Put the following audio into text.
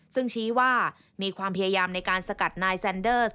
ซึ่งชี้ว่ามีความพยายามในการสกัดนายแซนเดอร์ส